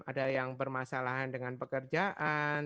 ada yang bermasalahan dengan pekerjaan